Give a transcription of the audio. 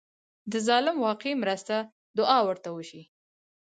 د ظالم واقعي مرسته دعا ورته وشي.